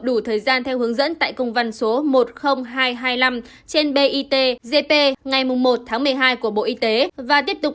đủ thời gian theo hướng dẫn tại công văn số một mươi nghìn hai trăm hai mươi năm trên bitgp ngày một tháng một mươi hai của bộ y tế và tiếp tục